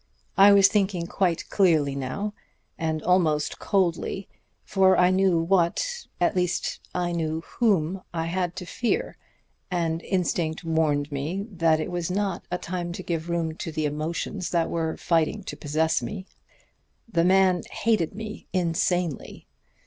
I was thinking quite clearly now, and almost coldly, for I knew what at least I knew whom I had to fear, and instinct warned me that it was not a time to give room to the emotions that were fighting to possess me. The man hated me insanely.